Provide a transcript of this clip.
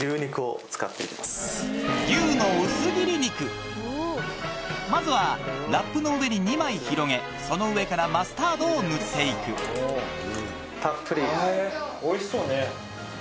牛の薄切り肉まずはラップの上に２枚広げその上からマスタードを塗って行く高い！